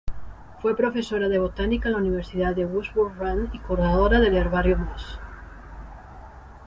Fue profesora de botánica en la Universidad de Witwatersrand, y curadora del Herbario Moss.